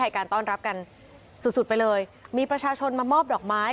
การต้อนรับกันสุดสุดไปเลยมีประชาชนมามอบดอกไม้